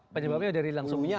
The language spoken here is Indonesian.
penyebabnya dari langsungnya